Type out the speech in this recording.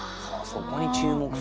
そこに注目する。